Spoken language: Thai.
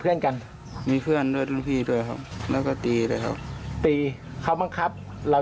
เพื่อนกันมีเพื่อนด้วยรุ่นพี่ด้วยครับแล้วก็ตีด้วยครับตีเขาบังคับเรา